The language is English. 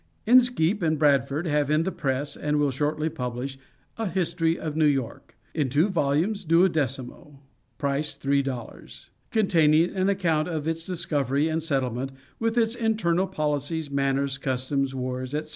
INSKEEP and BRADFORD have in the press, and will shortly publish, A History of New York, In two volumes, duodecimo. Price three dollars. Containing an account of its discovery and settlement, with its internal policies, manners, customs, wars, &c.